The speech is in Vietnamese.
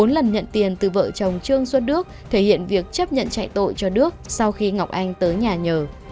bốn lần nhận tiền từ vợ chồng trương xuân đức thể hiện việc chấp nhận chạy tội cho đức sau khi ngọc anh tới nhà nhờ